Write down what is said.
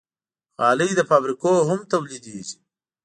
غالۍ له فابریکو هم تولیدېږي.